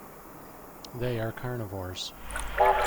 They are carnivores.